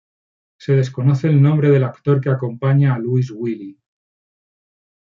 Se desconoce el nombre del actor que acompaña a Louis Willy.